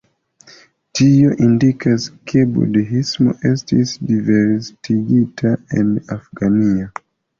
Tio indikas ke Budhismo estis disvastigita en Afganio.